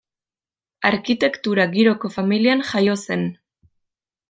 Arkitektura giroko familian jaio zen.